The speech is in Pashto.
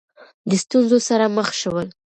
د ستونزو سره مخ شول